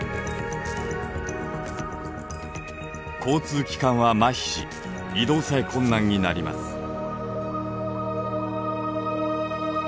交通機関はまひし移動さえ困難になります。